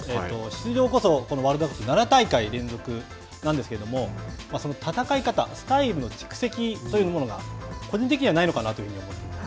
出場こそこのワールドカップ７大会連続なんですけれどもその戦い方スタイルの蓄積というものが個人的にはないのかなと思っています。